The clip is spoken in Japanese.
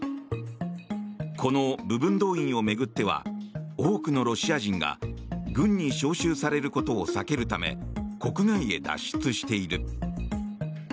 この部分動員を巡っては多くのロシア人が軍に招集されることを避けるため国外へ脱出している。